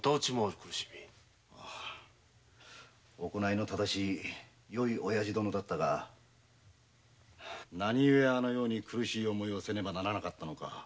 行いの正しいよいおやじ殿だったが何ゆえあのような苦しい思いをせねばならなかったのか。